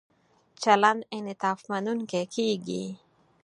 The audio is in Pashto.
چلند انعطاف مننونکی کیږي.